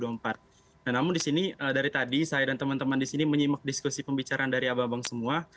nah namun di sini dari tadi saya dan teman teman di sini menyimak diskusi pembicaraan dari abang abang semua